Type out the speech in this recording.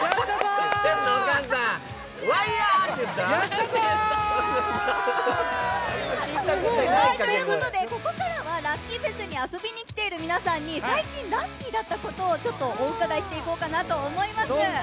やったぞー！ということで、ここからはＬｕｃｋｙＦｅｓに遊びに来ている皆さんに最近、ラッキーだったことをちょっとお伺いしていこうかなと思います。